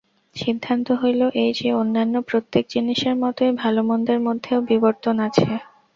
সিদ্ধান্ত হইল এই যে, অন্যান্য প্রত্যেক জিনিষের মতই ভালমন্দের মধ্যেও বিবর্তন আছে।